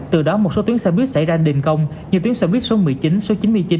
từ đó một số tuyến xe buýt xảy ra đình công như tuyến xe buýt số một mươi chín số chín mươi chín